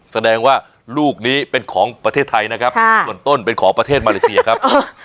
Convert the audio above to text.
แสดงว่าลูกนี้เป็นของประเทศไทยนะครับส่วนต้นเป็นของประเทศมาเลเซียครับ